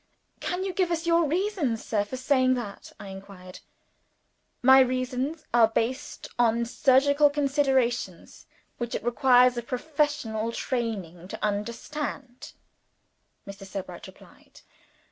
"Can you give us your reasons, sir, for saying that?" I inquired. "My reasons are based on surgical considerations which it requires a professional training to understand," Mr. Sebright replied.